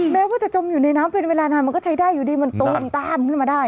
แม้ว่าจะจมอยู่ในน้ำเป็นเวลานานมันก็ใช้ได้อยู่ดีมันตูมต้านขึ้นมาได้